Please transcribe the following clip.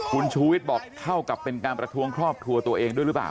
คุณชูวิทย์บอกเท่ากับเป็นการประท้วงครอบครัวตัวเองด้วยหรือเปล่า